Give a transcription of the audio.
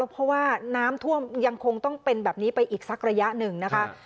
เพราะว่าน้ำท่วมยังคงต้องเป็นแบบนี้ไปอีกสักระยะหนึ่งนะคะ